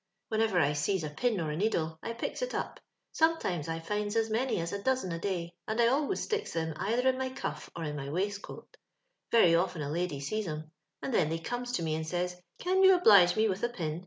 *• Whenever I sees a pin or a needle, I picks it up ; sometimes I finds as many as a dozen a day, and I always sticks them cither in my cuff or in my waistcoat Yeiy often a lady 470 LONDON LABOUR AND THE LONDON POOR. sees 'em, and then they comes to me and says, *Can yoa oblige me with a pin?'